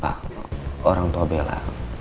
pak orang tua bella